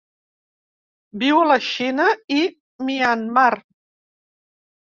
Viu a la Xina i Myanmar.